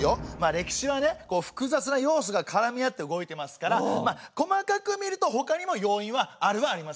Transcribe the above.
歴史はね複雑な要素がからみあって動いてますから細かく見るとほかにも要因はあるはあります。